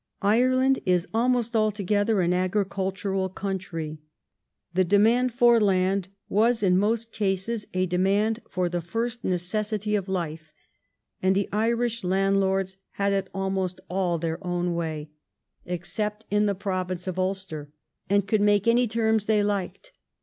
Ireland is almost alto gether an agricultural country. The demand for land was in most cases a demand for the first necessity of life, and the Irish landlords had it almost all their own way, except in the province IRISH STATE CHURCH AND LAND TENURE 273 of Ulster, and could make any terms they liked.